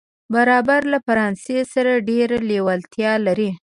بربر له فرانسې سره ډېره لېوالتیا لري.